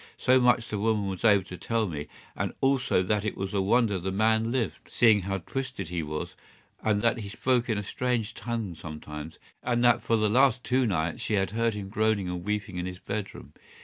So much the woman was able to tell me, and also that it was a wonder the man lived, seeing how twisted he was, and that he spoke in a strange tongue sometimes, and that for the last two nights she had heard him groaning and weeping in his bedroom.